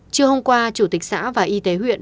trưa hôm qua chủ tịch xã và y tế huyện